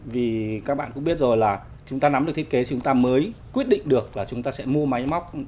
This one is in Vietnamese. vì các bạn cũng biết rồi là chúng ta nắm được thiết kế chúng ta mới quyết định được là chúng ta sẽ mua máy móc